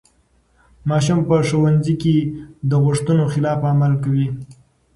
ماشوم په ښوونځي کې د غوښتنو خلاف عمل کوي.